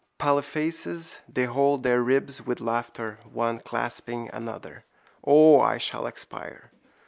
Palefaces: they hold their ribs with laughter, one clasping another. O, I shall expire!